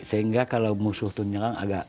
sehingga kalau musuh itu nyerang agak